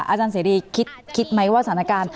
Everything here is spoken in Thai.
อาจารย์เสรีคิดไหมว่าสถานการณ์